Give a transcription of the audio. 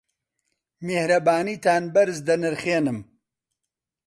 میهرەبانیتان بەرز دەنرخێنم.